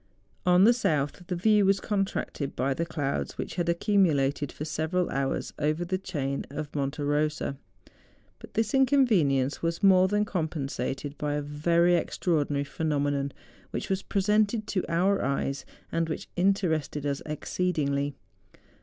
On the south the view was contracted by the clouds which had accumulated for several hours over the chain of Monte Kosa. But this inconvenience was more than compensated by a very extraordinary phenomenon which was presented to our eyes and which interested us exceedingly.